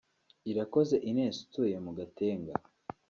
Irakoze Ines utuye mu Gatenga